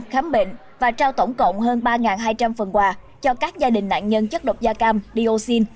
khám bệnh và trao tổng cộng hơn ba hai trăm linh phần quà cho các gia đình nạn nhân chất độc da cam dioxin